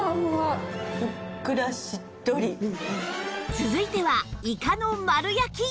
続いてはイカの丸焼き